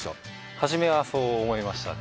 初めはそう思いましたね。